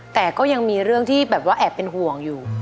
แต่ก็ยังมีเรื่องที่แบบว่าแอบเป็นห่วงอยู่